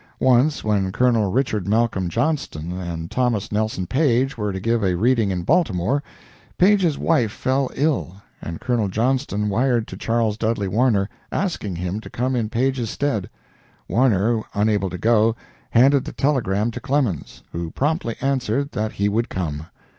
Once, when Col. Richard Malcolm Johnston and Thomas Nelson Page were to give a reading in Baltimore, Page's wife fell ill, and Colonel Johnston wired to Charles Dudley Warner, asking him to come in Page's stead. Warner, unable to go, handed the telegram to Clemens, who promptly answered that he would come.